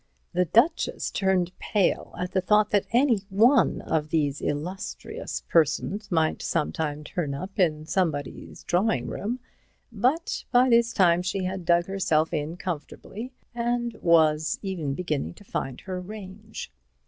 The Duchess turned pale at the thought that any one of these illustrious persons might some time turn up in somebody's drawing room, but by this time she had dug herself in comfortably, and was even beginning to find her range.